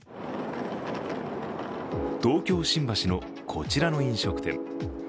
東京・新橋のこちらの飲食店。